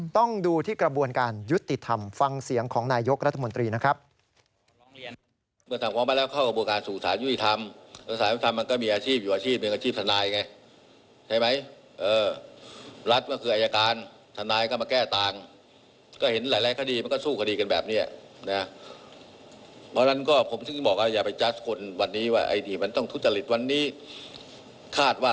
ต้องดูที่กระบวนการยุติธรรมฟังเสียงของนายกรัฐมนตรีนะครับ